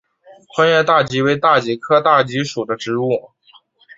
宽叶大戟为大戟科大戟属的植物。